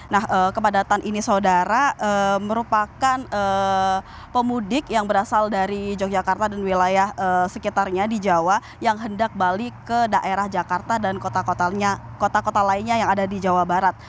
nah kepadatan ini saudara merupakan pemudik yang berasal dari yogyakarta dan wilayah sekitarnya di jawa yang hendak balik ke daerah jakarta dan kota kota lainnya yang ada di jawa barat